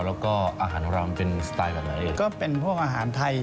แล้วก็อาหารของเรามันเป็นสไตล์แบบไหนเองก็เป็นพวกอาหารไทย